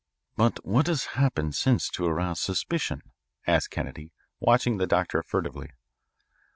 "But what has happened since to arouse suspicion?" asked Kennedy, watching the doctor furtively.